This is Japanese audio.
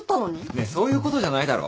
ねえそういうことじゃないだろ。